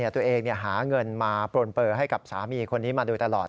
ตัวเองหาเงินมาปลนเปลือให้กับสามีคนนี้มาโดยตลอด